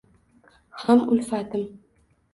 Ham ulfatim